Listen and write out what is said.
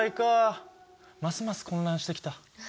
ますます混乱してきた。